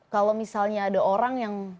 kalau misalnya ada orang yang